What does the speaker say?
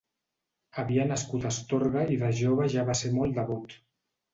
Havia nascut a Astorga i de jove ja va ser molt devot.